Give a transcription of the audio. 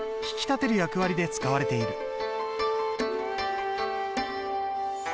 引き立てる役割で使われている。